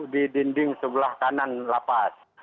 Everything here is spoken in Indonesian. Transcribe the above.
di dinding sebelah kanan lapas